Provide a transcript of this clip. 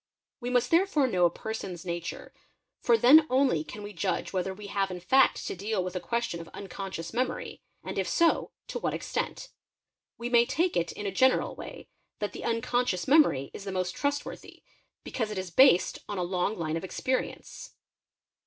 We must therefore know a person's nature, for then only can we judge whether we have in fact to deal with a question of un conscious memory, and if so, to what extent. We may take it, in a general way, that the unconscious memory is the most trustworthy. because it is based on a long line of experience.